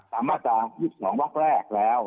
ตามมาจากยุคสองวักแรกแล้ว